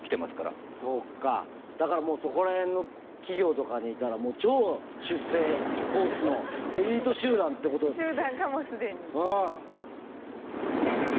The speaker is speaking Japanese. だからそこら辺の企業とかにいたらもう超出世コースのエリート集団ってことなんですよ。